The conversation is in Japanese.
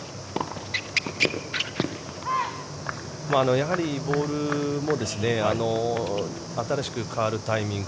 やはりボールも新しく変わるタイミング